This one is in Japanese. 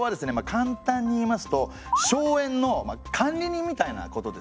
簡単に言いますと荘園の管理人みたいなことですね。